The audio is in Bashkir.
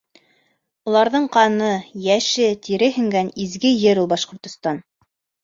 Уларҙың ҡаны, йәше, тире һеңгән изге ер ул Башҡортостан!